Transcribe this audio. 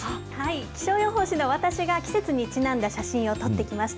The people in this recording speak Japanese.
気象予報士の私が季節にちなんだ写真を撮ってきました。